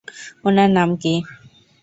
ওনার নাম কী?